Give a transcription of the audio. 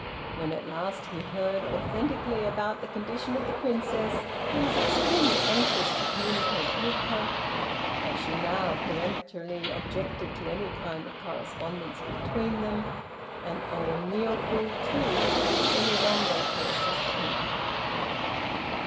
When at last he heard authentically about the condition of the Princess, he was extremely anxious to communicate with her, but she now peremptorily objected to any kind of correspondence between them, and Ô Miôbu too refused any longer to assist him.